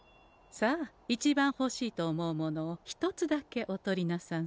さあ一番ほしいと思うものを１つだけお取りなさんせ。